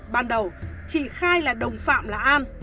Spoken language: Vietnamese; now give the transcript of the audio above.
ban đầu chỉ khai là đồng phạm là an